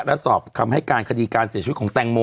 และสอบคำให้การคดีการเสียชีวิตของแตงโม